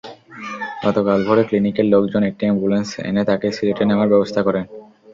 গতকাল ভোরে ক্লিনিকের লোকজন একটি অ্যাম্বুলেন্স এনে তাকে সিলেটে নেওয়ার ব্যবস্থা করেন।